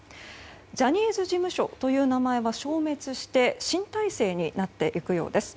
ジャニーズ事務所という名前は消滅して新体制になっていくようです。